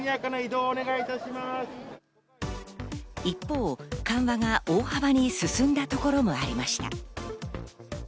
一方、緩和が大幅に進んだところもありました。